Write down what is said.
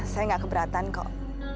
saya nggak keberatan kok